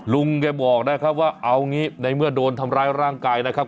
ลุงแกบอกนะครับว่าเอางี้ในเมื่อโดนทำร้ายร่างกายนะครับ